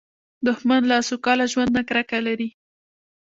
دښمن له سوکاله ژوند نه کرکه لري